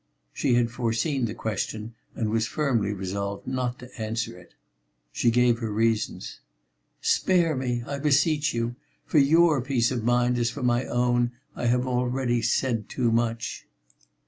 She had foreseen the question and was firmly resolved not to answer it. She gave her reasons: "Spare me, I beseech you. For your peace of mind as for my own, I have already said too much."